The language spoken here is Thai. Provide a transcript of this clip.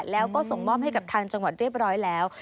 แล้วก็ส่งมอบให้กับทางจังหวัดเรียบร้อยแล้ว